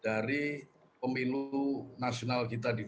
dari pemilu pemilu yang di dalam pilkada ini